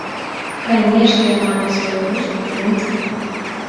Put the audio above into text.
Канечне, я маю свае густы і прынцыпы.